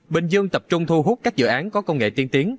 bình dương tập trung thu hút các dự án có công nghệ tiên tiến